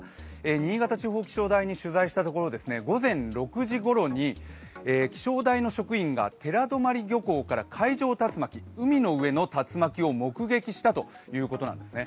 新潟地方気象台に取材したところ、午前６時ごろに気象台の職員が寺泊漁港から海上竜巻、海の上の竜巻を目撃したということなんですね